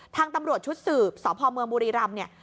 ทางตำรวจชุดสืบสพเมืองบุรีรำเนี่ย